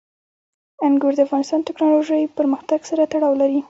انګور د افغانستان د تکنالوژۍ پرمختګ سره تړاو لري.